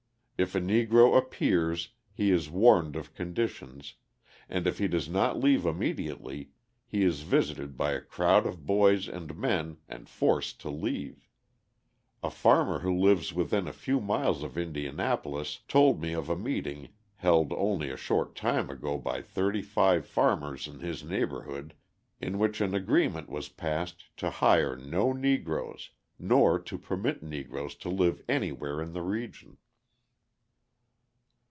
If a Negro appears he is warned of conditions, and if he does not leave immediately, he is visited by a crowd of boys and men and forced to leave. A farmer who lives within a few miles of Indianapolis told me of a meeting, held only a short time ago by thirty five farmers in his neighbourhood, in which an agreement was passed to hire no Negroes, nor to permit Negroes to live anywhere in the region.